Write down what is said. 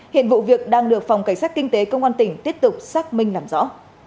hiện vụ việc đang được phòng cảnh sát kinh tế công an tỉnh tiếp tục xác minh làm rõ